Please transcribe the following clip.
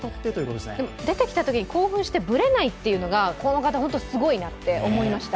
出てきたときに興奮してブレないというのがこの方、本当にすごいなと思いました。